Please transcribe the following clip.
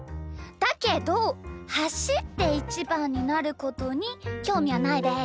だけどはしってイチバンになることにきょうみはないです。